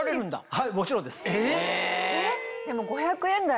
はいもちろんです。